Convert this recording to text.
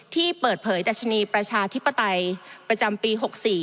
ที่เปิดเผยดัชนีประชาธิปไตยประจำปี๖๔